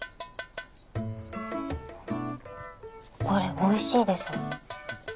これおいしいです。